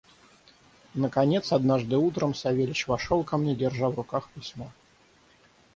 Наконец однажды утром Савельич вошел ко мне, держа в руках письмо.